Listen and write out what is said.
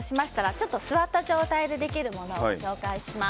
座った状態でできるものをご紹介します。